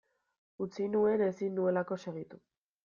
Utzi nuen ezin nuelako segitu.